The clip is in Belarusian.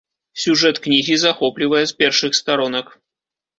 Сюжэт кнігі захоплівае з першых старонак.